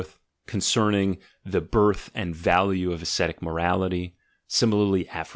concerning the birth and value of ascetic morality; similarly, Aphs.